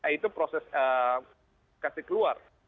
nah itu proses edukasi keluar